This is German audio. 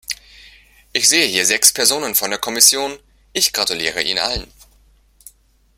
Ich sehe hier sechs Personen von der Kommission. Ich gratuliere Ihnen allen.